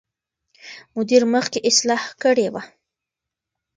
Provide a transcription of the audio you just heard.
مدیر مخکې اصلاح کړې وه.